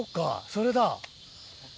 それだ。